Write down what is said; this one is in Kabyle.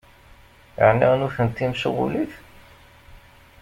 Ɛni nutenti mecɣulit?